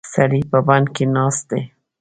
سړی په بند کې ناست دی.